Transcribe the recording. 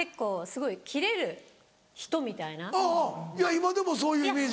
今でもそういうイメージ。